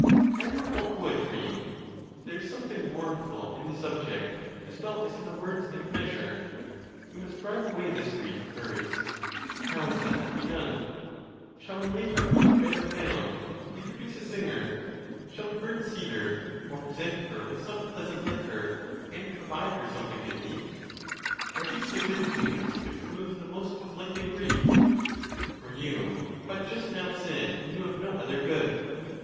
Admirable poetry! There is something mournful in the subject, as well as in the words and measure. We must drive away this grief of hers: how is that to be done? Shall we lay her on a bed of down; introduce a singer; oe i ee ON GRIEF OF MIND. 111 shall we burn cedar, or present her with some pleasant liquor, and provide her something to eat? Are these the good things which remove the most afilicting grief? For you but just now said you knew of no other good.